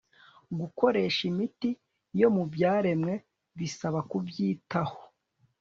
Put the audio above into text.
Gukoresha imiti yo mu byaremwe bisaba kubyitaho